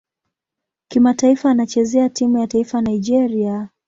Kimataifa anachezea timu ya taifa Nigeria.